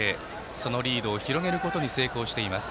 そのリードを広げることに成功しています。